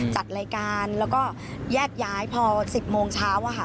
จัดรายการแล้วก็แยกย้ายพอ๑๐โมงเช้าอะค่ะ